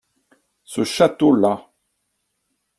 Ce château-là.